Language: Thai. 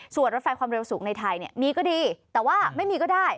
ส่วนรถไฟความเร็วสูงในไทยมีก็ดีแต่ว่าไม่มีก็ได้